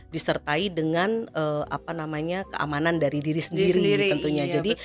disertai dengan apa namanya keamanan dari diri sendiri tentunya jadi